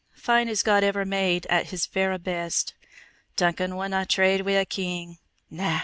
Fine as God ever made at His verra best. Duncan wouldna trade wi' a king! Na!